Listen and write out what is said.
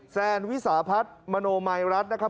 แซนวิสาพัฒน์มโนมัยรัฐนะครับ